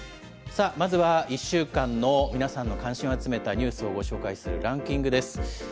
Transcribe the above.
さあ、まずは１週間の皆さんの関心を集めたニュースをご紹介するランキングです。